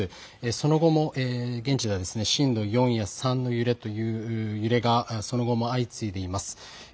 その後も現地では震度４や３の揺れという揺れがその後も相次いでいます。